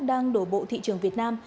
đang đổ bộ thị trường việt nam